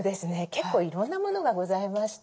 結構いろんなものがございまして。